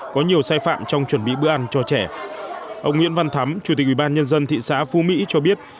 có nhiều sai phạm trong chuẩn bị bữa ăn cho trẻ ông nguyễn văn thắm chủ tịch ubnd thị xã phú mỹ cho biết